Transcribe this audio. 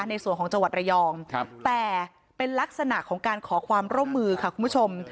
ในส่วนของจังหวัดระยองแต่เป็นลักษณะของการขอความร่วมมือค่ะคุณผู้ชม